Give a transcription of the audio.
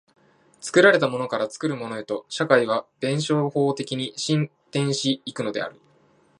作られたものから作るものへと、社会は弁証法的に進展し行くのである。